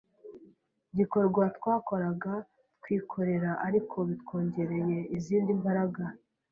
gikorwa twakoraga twikorera ariko bitwongereye izindi mbaraga